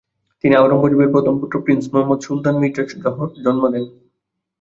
তিনি আওরঙ্গজেবের প্রথম পুত্র প্রিন্স মুহাম্মদ সুলতান মির্জার জন্ম দেন।